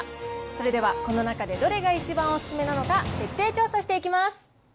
それではこの中でどれが一番お勧めなのか、徹底調査していきます。